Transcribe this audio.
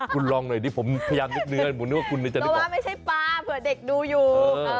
คุณลองหน่อยดิผมพยายามนึกเนื้อโลมาไม่ใช่ปลาเผื่อเด็กดูอยู่